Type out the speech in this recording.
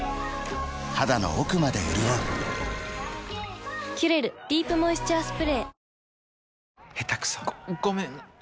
肌の奥まで潤う「キュレルディープモイスチャースプレー」